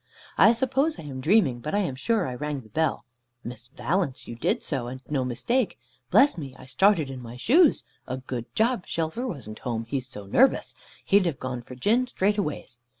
"I suppose I am dreaming. But I am sure I rang the bell." "Miss Valence, you did so, and no mistake. Bless me! I started in my shoes. A good job, Shelfer wasn't home, he's so nervous. He'd have gone for gin straightways.